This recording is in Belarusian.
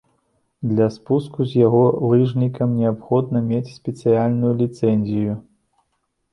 Для спуску з яго лыжнікам неабходна мець спецыяльную ліцэнзію.